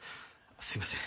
すいません。